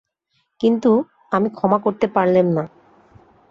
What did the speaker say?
কিন্তু, আমি ক্ষমা করতে পারলেম না।